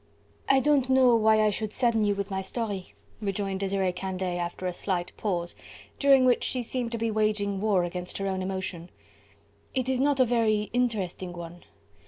"I don't know why I should sadden you with my story," rejoined Desiree Candeille after a slight pause, during which she seemed to be waging war against her own emotion. "It is not a very interesting one.